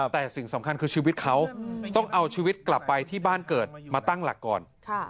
แต่สิ่งสำคัญคือชีวิตเขาต้องเอาชีวิตกลับไปที่บ้านเกิดมาตั้งหลักก่อน